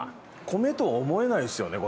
米とは思わないですね。